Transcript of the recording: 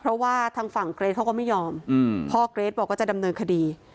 เพราะว่าทางฝั่งเกรทเขาก็ไม่ยอมพ่อเกรทบอกว่าจะดำเนินคดี